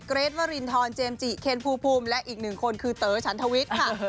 เกรดว่าลินทร์เจมส์จิเคนภูมิและอีก๑คนคือเตอร์ชั้นทวิตค่ะ